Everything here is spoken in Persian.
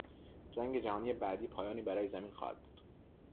جنگ جهانی بعدی پایانی برای زمین خواهد بود